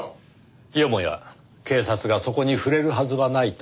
よもや警察がそこに触れるはずはないと？